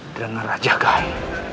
dengan raja gai